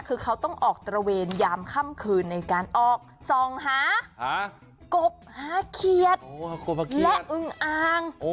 คือเขาต้องออกตระเวนยามค่ำคืนในการออกส่องหากบหาเขียดและอึงอ่าง